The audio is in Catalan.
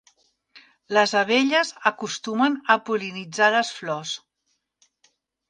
Les abelles acostumen a pol·linitzar les flors.